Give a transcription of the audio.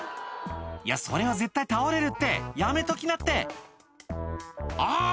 いやそれは絶対倒れるってやめときなってあぁ